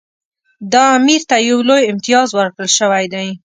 دا امیر ته یو لوی امتیاز ورکړل شوی دی.